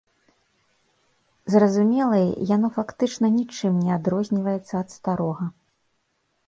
Зразумелае, яно фактычна нічым не адрозніваецца ад старога.